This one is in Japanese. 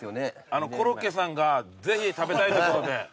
あのうコロッケさんがぜひ食べたいということで。